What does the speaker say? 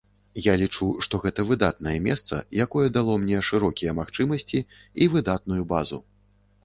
Я лічу, што гэта выдатнае месца, якое дало мне шырокія магчымасці і выдатную базу.